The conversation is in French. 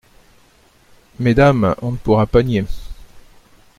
Mesdames… on ne pourra pas nier.